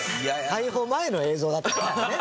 逮捕前の映像だったんだね。